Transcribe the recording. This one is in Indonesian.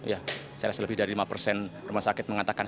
ya secara selebih dari lima persen rumah sakit mengatakan